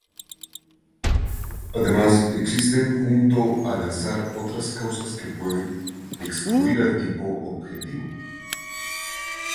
Además existen junto al azar otras causas que pueden excluir al tipo objetivo.